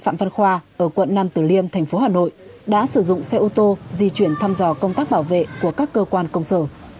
phạm văn khoa ở quận nam tử liêm thành phố hà nội đã sử dụng xe ô tô di chuyển thăm dò công tác bảo vệ của các cơ quan công sở